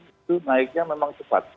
itu naiknya memang cepat